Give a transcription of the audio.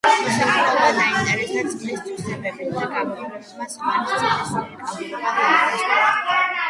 მოსახლეობა დაინტერესდა წყლის თვისებებით და გამოკვლევებმა ზვარის წყლის უნიკალურობა დაადასტურა.